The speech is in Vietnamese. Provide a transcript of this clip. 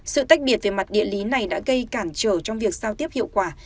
sự tách biệt về mặt địa lý này đã gây cản trở trong việc giao tiếp hiệu quả